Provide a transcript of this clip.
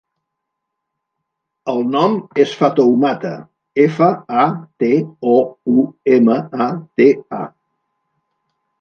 El nom és Fatoumata: efa, a, te, o, u, ema, a, te, a.